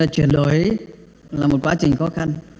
chuyển đổi là một quá trình khó khăn